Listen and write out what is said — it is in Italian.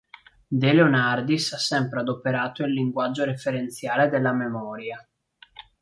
De Leonardis ha sempre adoperato il linguaggio referenziale della memoria.